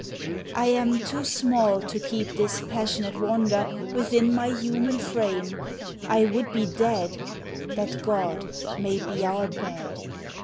I am too small to keep this passionate wonder Within my human frame : I would be dead That God may be our bed.